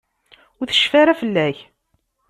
Ur tecfi ara fell-ak.